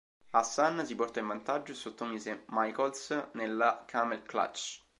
Hassan si portò in vantaggio e sottomise Michaels nella "Camel Clutch".